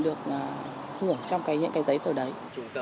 được hưởng trong những cái giấy tờ đấy